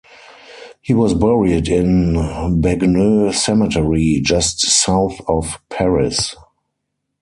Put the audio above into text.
He was buried in Bagneux Cemetery, just south of Paris.